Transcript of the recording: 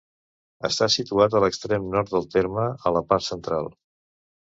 Està situat a l'extrem nord del terme, a la part central.